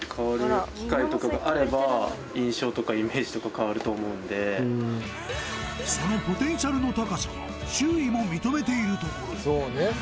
そうそうそうそうそのポテンシャルの高さは周囲も認めているところ